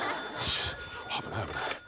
危ない危ない。